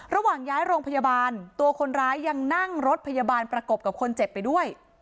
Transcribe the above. ระหว่างย้ายโรงพยาบาลตัวคนร้ายยังนั่งรถพยาบาลประกบกับคนเจ็บไปด้วย